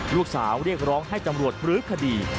ลูกสาวเรียกร้องให้จำรวจบลื้อคดี